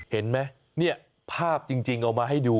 เห็นไหมเนี่ยภาพจริงเอามาให้ดู